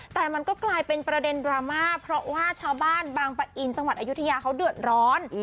แต่ก็กลายเป็นประเด็นดราม่าแบบว่าใบบินต์บางปะอีนชาวประชาหกว่าอายุทยาเขาเดือดร้อน